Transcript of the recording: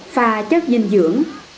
pha chất dinh dưỡng